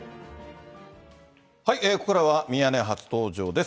ここからは、ミヤネ屋初登場です。